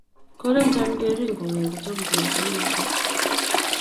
Kolenjon Kering' kowek kotom kwai kou notok